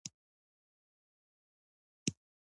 ما ورته وویل: نه، زه د بلې نجلۍ په اړه فکر نه کوم.